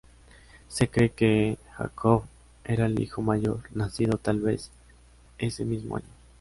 Se cree que Jacob era el hijo mayor, nacido tal vez ese mismo año.